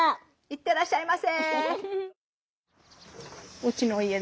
行ってらっしゃいませ。